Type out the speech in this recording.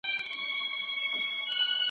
چې په ښايست دې امتحان راشي